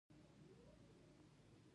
ایا تاسو ورسره مرسته کوئ؟